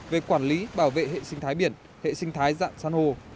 về quản lý bảo vệ hệ sinh thái biển hệ sinh thái dạng san hô